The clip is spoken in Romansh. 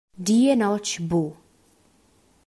Di e notg buc.